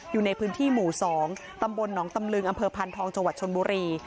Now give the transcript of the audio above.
อยู่ในพื้นที่หมู่๒ตำบลหนองตำลึงอำเภอพันธองจังหวัดชนบุรี